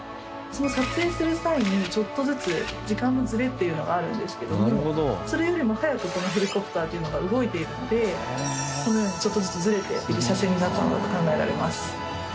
その撮影する際にちょっとずつ時間のズレというのがあるんですけどもそれよりも速くこのヘリコプターというのが動いているのでこのようにちょっとずつズレている写真になったんだと考えられます。